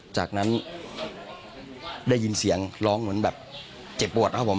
จากนั้นได้ยินเสียงร้องเหมือนแบบเจ็บปวดครับผม